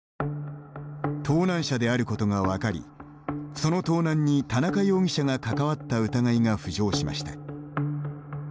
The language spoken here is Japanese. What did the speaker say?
盗難車であることが分かりその盗難に田中容疑者が関わった疑いが浮上しました。